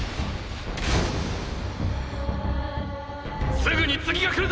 すぐに次が来るぞ！！